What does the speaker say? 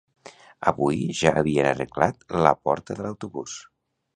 Avui ja havien arreglat la porta de l'autobús